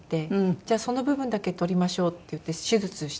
じゃあその部分だけ取りましょうっていって手術したんです。